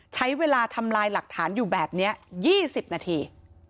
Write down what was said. ใช้เวลาทำลายหลักฐานอยู่แบบนี้๒๐นาที